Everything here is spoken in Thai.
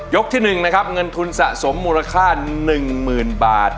ยกที่หนึ่งนะครับเงินทุนสะสมมูลค่าหนึ่งหมื่นบาท